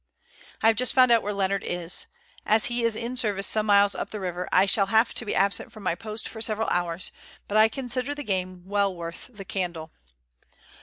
I have just found out where Leonard is. As he is in service some miles up the river, I shall have to be absent from my post for several hours, but I consider the game well worth the candle.